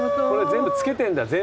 全部付けてんだ。